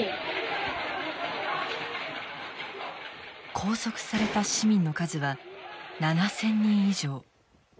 拘束された市民の数は７，０００人以上。